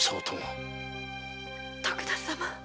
徳田様。